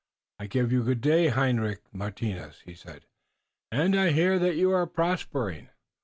"I gif you good day, Hendrik Martinus," he said, "und I hear that you are prospering.